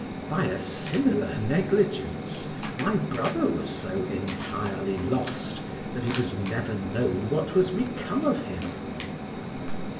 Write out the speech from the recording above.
By a similar negligence, my brother was so entirely lost, that it was never known what was become of him.